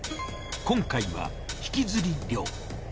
今回は引き釣り漁。